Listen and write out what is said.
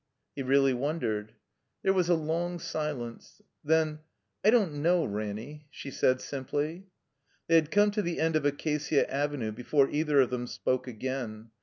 He really wondered. There was a long silence. Then, "I don't know, Raimy," she said, simply. They had come to the end of Acacia Avenue before either of them spoke again.